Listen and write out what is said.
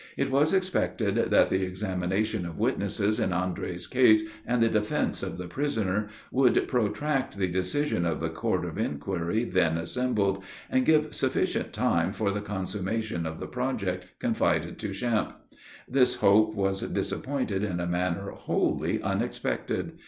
It was expected that the examination of witnesses in Andre's case and the defense of the prisoner, would protract the decision of the court of inquiry then assembled, and give sufficient time for the consummation of the project confided to Champe. This hope was disappointed in a manner wholly unexpected.